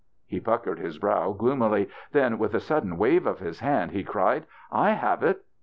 He puckered his brow gloomily; then, with a sudden wave of his hand, he cried, " I have it."